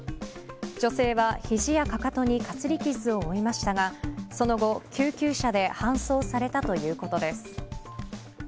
女性は、肘やかかとにかすり傷を負いましたがその後、救急車で搬送されたということです。